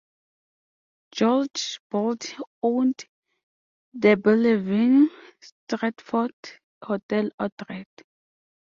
George Boldt owned the Bellevue-Stratford Hotel outright.